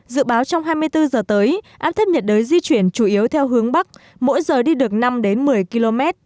dự báo trong hai mươi bốn giờ tới áp thấp nhiệt đới di chuyển chủ yếu theo hướng bắc mỗi giờ đi được năm đến một mươi km